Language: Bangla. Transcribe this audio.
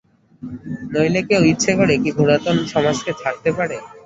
নইলে কেউ ইচ্ছা করে কি পুরাতন সমাজকে ছাড়তে পারে?